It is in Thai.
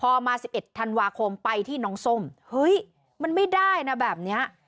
พอมา๑๑ธันวาคมไปที่น้องส้มเฮ้ยมันไม่ได้นะแบบนี้